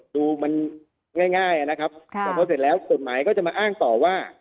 ดูมันง่ายนะครับแต่พอเสร็จแล้วกฎหมายก็จะมาอ้างต่อว่า